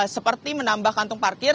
seperti menambah kantong parkir